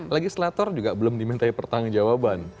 legislator juga belum dimintai pertanggung jawaban